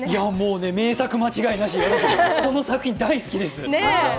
名作間違いなし、この作品大好きです。